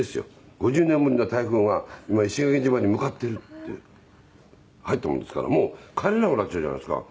５０年ぶりの台風が今石垣島に向かってるって入ったもんですからもう帰れなくなっちゃうじゃないですか。